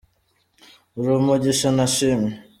Uri umugisha nashimye